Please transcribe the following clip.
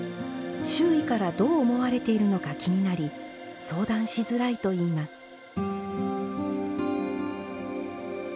周囲からどう思われているのか気になり相談しづらいといいます。